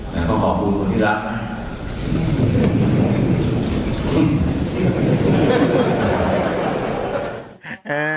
แล้วก็ขอบคุณคนที่รักนะ